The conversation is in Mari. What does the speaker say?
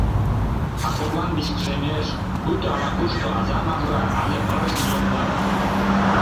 А коклан вичкыжемеш, пуйто ала-кушто аза магыра але пырыс миоҥла.